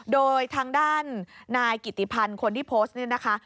โดยทางด้านนายกิติพันธ์คนที่โพสต์นี่นะคะ